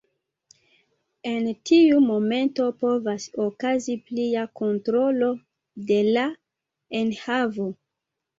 En tiu momento povas okazi plia kontrolo de la enhavo.